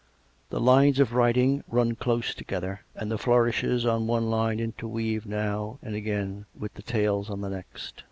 The lines of writing run close together, and the flourishes on one line interweave now and again with the tails on the next.